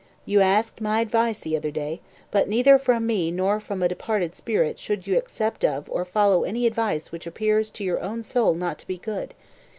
You asked my advice the other day, but neither from me nor from a departed spirit should you accept of or follow any advice which appears to your own soul not to be good.